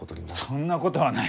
そんなことはない！